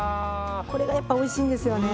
これがやっぱおいしいんですよね。